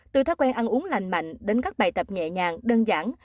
từ thói quen ăn uống lành mạnh đến các bài tập nhẹ nhàng đơn giản